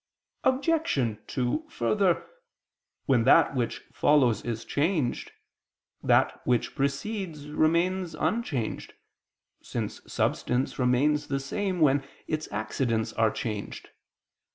Obj. 2: Further, when that which follows is changed, that which precedes remains unchanged, since substance remains the same when its accidents are changed.